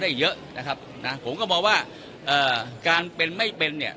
อีกเยอะนะครับนะผมก็มองว่าเอ่อการเป็นไม่เป็นเนี่ย